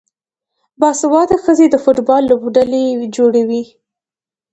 باسواده ښځې د فوټبال لوبډلې جوړوي.